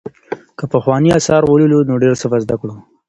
که پخواني آثار ولولو نو ډېر څه به زده کړو.